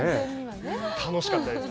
楽しかったです。